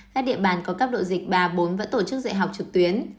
các địa bàn có cấp độ dịch ba bốn vẫn tổ chức dạy học trực tuyến